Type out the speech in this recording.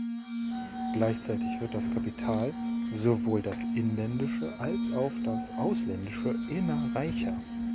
Gleichzeitig wird das Kapital sowohl das inländische als auch das ausländische immer reicher.